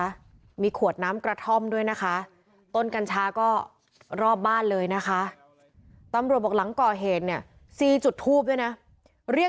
เนี่ยปากไว้อย่างเนี่ย